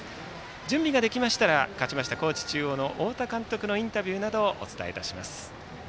準備ができましたら勝ちました高知中央の太田監督のインタビューなどをお伝えします。